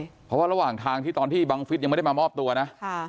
เพราะว่าระหว่างทางที่ตอนที่บังฟิศยังไม่ได้มามอบตัวนะ